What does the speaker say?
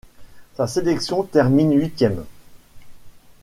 Sa sélection termine huitième.